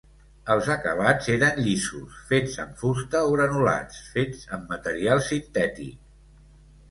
Els acabats eren llisos, fets amb fusta, o granulats, fets amb material sintètic.